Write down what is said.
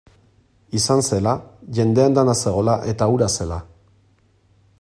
Izan zela, jende andana zegoela eta hura zela.